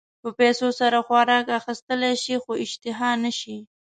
په پیسو سره خوراک اخيستلی شې خو اشتها نه شې.